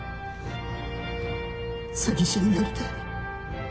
詐欺師になりたい